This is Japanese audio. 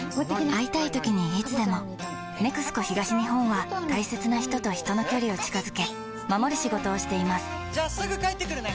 会いたいときにいつでも「ＮＥＸＣＯ東日本」は大切な人と人の距離を近づけ守る仕事をしていますじゃあすぐ帰ってくるね！